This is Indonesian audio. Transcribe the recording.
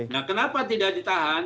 nah kenapa tidak ditahan